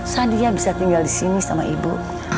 sania bisa tinggal disini sama ibu